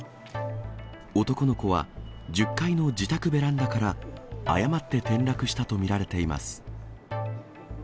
男の子は、１０階の自宅ベランダから、誤って転落したと見られています。